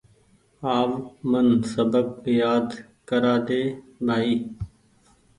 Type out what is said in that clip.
آو من سبق يآد ڪرآ ۮي بآئي